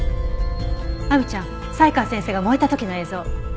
亜美ちゃん才川先生が燃えた時の映像。